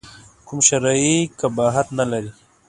کوم شرعي قباحت نه لري.